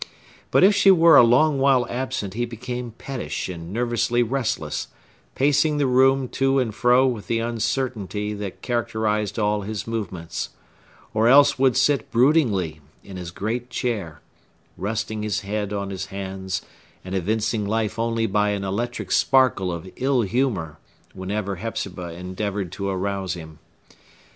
But if she were a long while absent he became pettish and nervously restless, pacing the room to and fro with the uncertainty that characterized all his movements; or else would sit broodingly in his great chair, resting his head on his hands, and evincing life only by an electric sparkle of ill humor, whenever Hepzibah endeavored to arouse him.